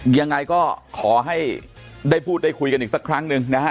ยังไงก็ขอให้ได้พูดได้คุยกันอีกสักครั้งหนึ่งนะฮะ